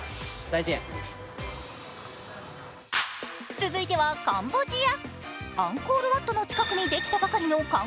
続いてはカンボジア。